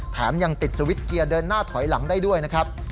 แถมยังติดสวิตชเกียร์เดินหน้าถอยหลังได้ด้วยนะครับ